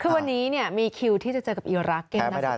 คือวันนี้มีคิวที่จะเจอกับอีลรักเกม